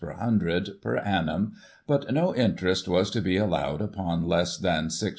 per cent per annum, but no interest was to be allowed upon less than 6s.